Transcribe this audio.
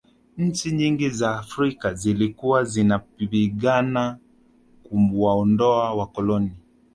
nchi nyingi za afrika zilikuwa zinapigana kuwaondoa wakolono